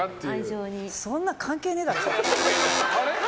そんな関係ねえだろ！